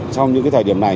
trong những thời điểm này